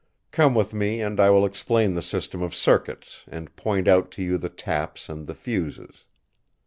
Come with me and I will explain the system of circuits, and point out to you the taps and the fuses."